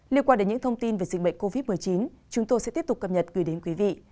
liên quan đến những thông tin về dịch bệnh covid một mươi chín chúng tôi sẽ tiếp tục cập nhật gửi đến quý vị